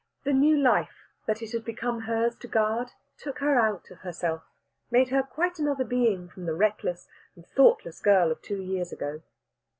The new life that it had become hers to guard took her out of herself, made her quite another being from the reckless and thoughtless girl of two years ago.